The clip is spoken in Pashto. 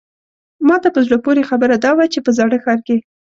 ماته په زړه پورې خبره دا وه چې په زاړه ښار کې.